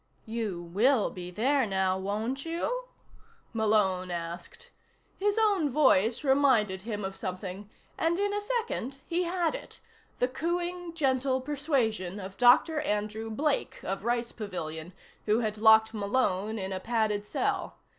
"You will be there, now, won't you?" Malone asked. His own voice reminded him of something, and in a second he had it: the cooing, gentle persuasion of Dr. Andrew Blake of Rice Pavilion, who had locked Malone in a padded cell.